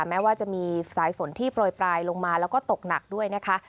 แม้ว่าจะมีสายฝนที่โปรยปลายลงมาแล้วก็ตกหนักด้วยนะคะ